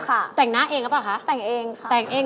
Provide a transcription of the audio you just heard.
แต่งหน้าเองหรือเปล่าคะแต่งเองค่ะแต่งเอง